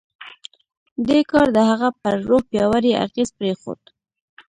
دې کار د هغه پر روح پیاوړی اغېز پرېښود